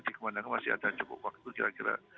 dikemandangkan masih ada cukup waktu kira kira